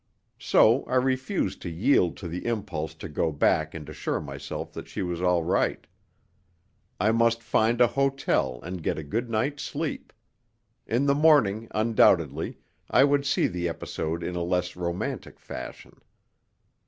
So I refused to yield to the impulse to go back and assure myself that she was all right. I must find a hotel and get a good night's sleep. In the morning, undoubtedly, I would see the episode in a less romantic fashion.